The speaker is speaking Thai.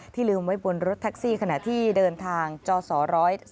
ลืมไว้บนรถแท็กซี่ขณะที่เดินทางจศ๑๑